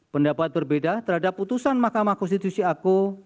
pendapat berbeda terhadap putusan mahkamah konstitusi aku